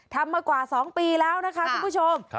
มากว่า๒ปีแล้วนะคะคุณผู้ชม